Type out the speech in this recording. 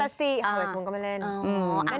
ฮาเวสมูนก็ไม่เล่น